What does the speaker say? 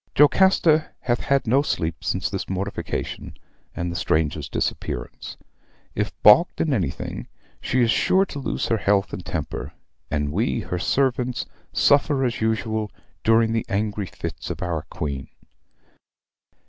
"Jocasta hath had no sleep since this mortification, and the stranger's disappearance. If balked in anything, she is sure to lose her health and temper; and we, her servants, suffer, as usual, during the angry fits of our Queen.